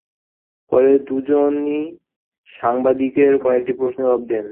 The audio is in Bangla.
পরে দুজনই সাংবাদিকদের কয়েকটি প্রশ্নের জবাব দেন।